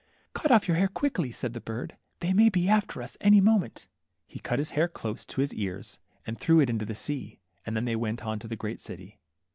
THE MERMAID. 15 Cut off your hair quickly," said the bird, they may he after us any moment." He cut his hair elose to his ears, and threw it into the sea, and then they went on 'to the great city.